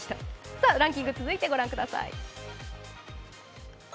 ランキング、続いてご覧ください。